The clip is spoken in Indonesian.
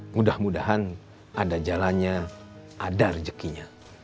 mudah mudahan ada jalannya ada rejekinya